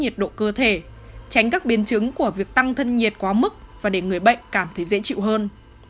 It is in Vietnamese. nhiệt độ cơ thể tránh các biến chứng của việc tăng thân nhiệt quá mức và để người bệnh cảm thấy dễ chịu hơn